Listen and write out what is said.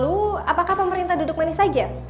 lalu apakah pemerintah duduk manis saja